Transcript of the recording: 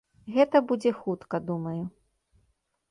Гэта будзе хутка, думаю.